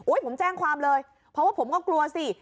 ผมแจ้งความเลยเพราะว่าผมก็กลัวสิ